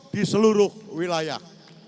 di seluruh wilayah